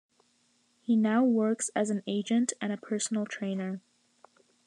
He now works as an Agent and a personal trainer.